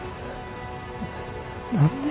何で。